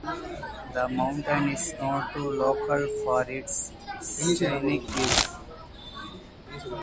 The mountain is known to locals for its scenic views.